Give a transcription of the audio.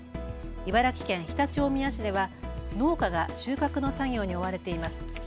茨城県常陸大宮市では農家が収穫の作業に追われています。